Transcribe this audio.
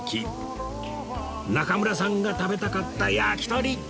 中村さんが食べたかった焼き鳥！